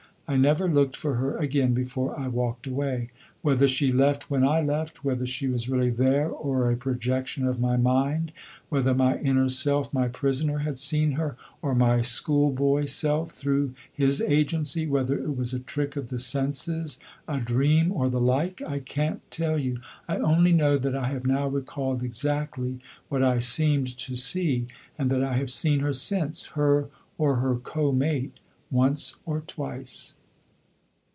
I never looked for her again before I walked away. Whether she left when I left, whether she was really there or a projection of my mind, whether my inner self, my prisoner, had seen her, or my schoolboy self through his agency, whether it was a trick of the senses, a dream, or the like I can't tell you. I only know that I have now recalled exactly what I seemed to see, and that I have seen her since her or her co mate once or twice.